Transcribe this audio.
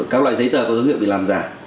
các loại giấy tờ có dấu hiệu bị làm giả